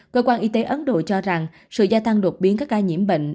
cơ quan y tế ấn độ cho rằng sự gia tăng đột biến các ca nhiễm bệnh